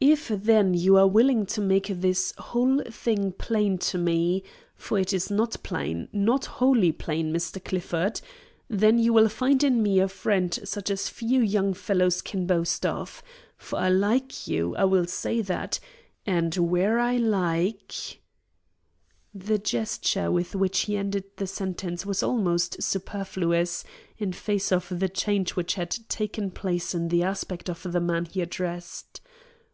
If then you are willing to make this whole thing plain to me for it is not plain not wholly plain, Mr. Clifford then you will find in me a friend such as few young fellows can boast of, for I like you I will say that and where I like " The gesture with which he ended the sentence was almost superfluous, in face of the change which had taken place in the aspect of the man he addressed.